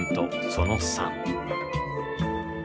その３。